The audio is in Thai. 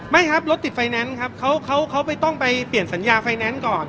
ไม่ครับรถติดไฟแนนซ์ครับเขาต้องไปเปลี่ยนสัญญาไฟแนนซ์ก่อน